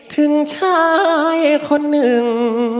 ถึงใช้คนหนึ่ง